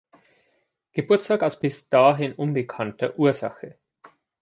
Geburtstag aus bis dahin unbekannter Ursache.